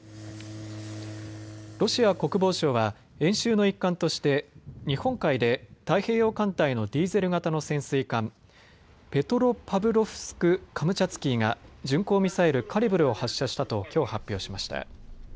ロシア国防省は演習の一環として日本海で太平洋艦隊のディーゼル型の潜水艦、ペトロパブロフスク・カムチャツキーが巡航ミサイル、カリブルを発射したときょう発表しました。